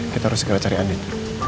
kita harus segera cari adit